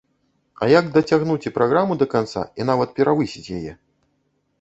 А як дацягнуць і праграму да канца і нават перавысіць яе?